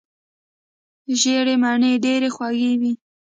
ژیړې مڼې ډیرې خوږې وي.